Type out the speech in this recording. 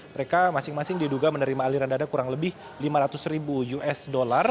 mereka masing masing diduga menerima aliran dana kurang lebih lima ratus ribu usd